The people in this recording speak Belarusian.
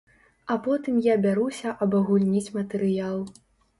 А потым я бяруся абагульніць матэрыял.